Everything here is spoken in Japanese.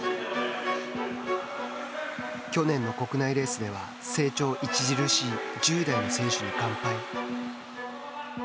去年の国内レースでは成長著しい１０代の選手に完敗。